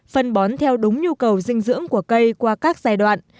phân bón theo đúng nhu cầu dinh dưỡng của cây qua các giai đoạn